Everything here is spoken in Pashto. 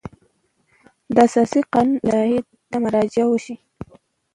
د اساسي قانون اصلاحیې ته مراجعه وشي.